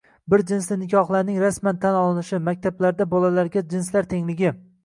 Bir jinsli nikohlarning rasman tan olinishi, maktablarda bolalarga «jinslar tengligi»